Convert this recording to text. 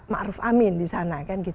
ma'ruf amin di sana